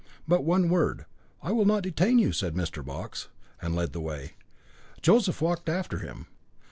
"But one word; I will not detain you," said Mr. Box, and led the way. Joseph walked after him.